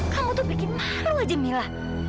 kamu tuh bikin malu aja mila